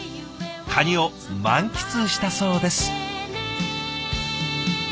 カニを満喫したそうです。